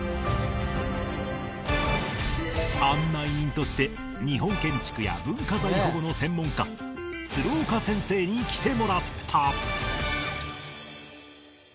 案内人として日本建築や文化財保護の専門家鶴岡先生に来てもらった